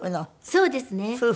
そうですね。